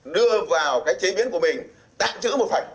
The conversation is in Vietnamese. đưa vào cái chế biến của mình